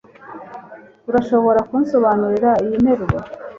urashobora kunsobanurira iyi nteruro